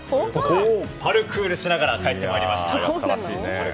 パルクールしながら帰ってまいりました。